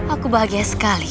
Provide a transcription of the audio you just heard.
aku bahagia sekali